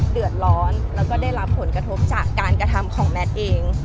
เดือดร้อนแล้วก็ได้รับผลกระทบจากการกระทำของแมทเอง